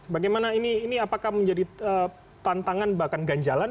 bagaimana ini apakah menjadi tantangan bahkan ganjalan